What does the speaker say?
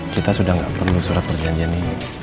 kita sudah tidak perlu surat perjanjian ini